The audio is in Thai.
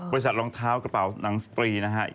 รองเท้ากระเป๋าหนังสตรีนะฮะ